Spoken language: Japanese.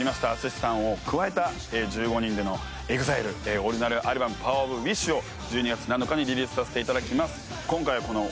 １５人でのＥＸＩＬＥオリジナルアルバム、「ＰＯＷＥＲＯＦＷＩＳＨ」を１２月７日にリリースさせていただきます。